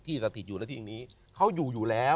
สถิตอยู่ในที่นี้เขาอยู่อยู่แล้ว